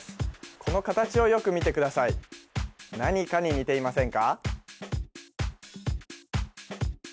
この形をよく見てください何かに似ていませんか？